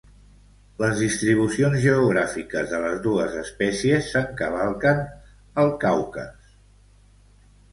Les distribucions geogràfiques de les dues espècies s'encavalquen al Caucas.